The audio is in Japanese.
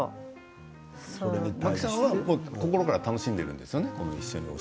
真木さんは心から楽しんでいるんですよね。